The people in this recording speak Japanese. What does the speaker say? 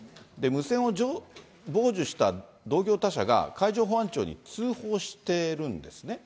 無線を傍受した同業他社が、海上保安庁に通報してるんですね。